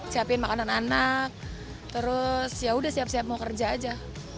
siapin makanan anak terus yaudah siap siap mau kerja aja